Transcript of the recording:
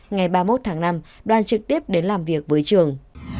ngày ba mươi một tháng năm đoàn trực tiếp đến làm việc với trường